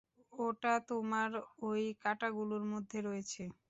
ওটা তোমার ওই কাঁটাগুলোর মধ্যে রয়েছে!